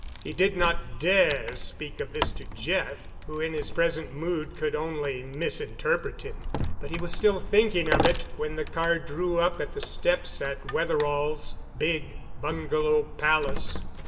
He did not dare speak of this to Jeff, who in his present mood could only misinterpret him; but he was still thinking of it when the car drew up at the steps at Wetherall's big bungalow palace.